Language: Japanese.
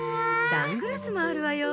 サングラスもあるわよ。